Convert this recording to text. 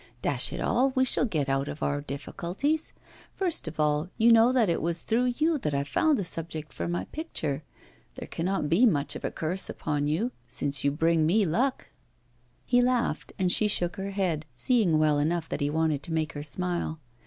Dash it all, we shall get out of our difficulties! First of all, you know that it was through you that I found the subject for my picture. There cannot be much of a curse upon you, since you bring me luck.' He laughed, and she shook her head, seeing well enough that he wanted to make her smile.